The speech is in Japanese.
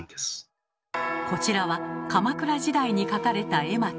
こちらは鎌倉時代に描かれた絵巻。